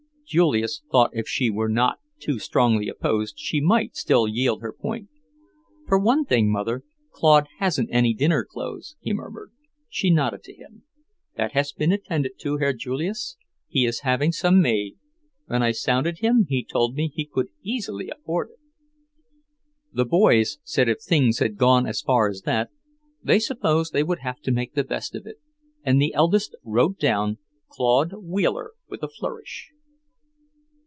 Julius thought if she were not too strongly opposed she might still yield her point. "For one thing, Mother, Claude hasn't any dinner clothes," he murmured. She nodded to him. "That has been attended to, Herr Julius. He is having some made. When I sounded him, he told me he could easily afford it." The boys said if things had gone as far as that, they supposed they would have to make the best of it, and the eldest wrote down "Claude Wheeler" with a flourish.